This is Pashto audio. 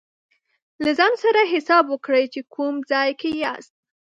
له ځان سره حساب وکړئ چې کوم ځای کې یاست.